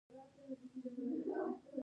زده کړه نجونو ته د نړۍ لید پراخوي.